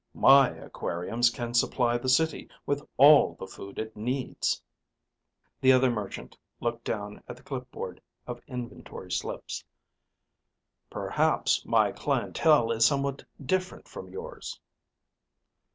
My aquariums can supply the City with all the food it needs." The other merchant looked down at the clip board of inventory slips. "Perhaps my clientele is somewhat different from yours."